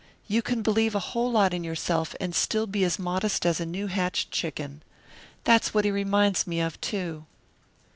You can believe a whole lot in yourself, and still be as modest as a new hatched chicken. That's what he reminds me of, too."